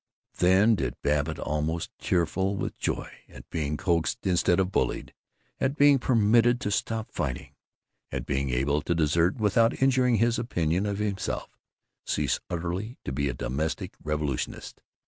Then did Babbitt, almost tearful with joy at being coaxed instead of bullied, at being permitted to stop fighting, at being able to desert without injuring his opinion of himself, cease utterly to be a domestic revolutionist.